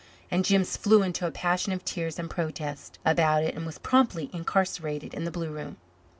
And Jims flew into a passion of tears and protest about it and was promptly incarcerated in the blue room.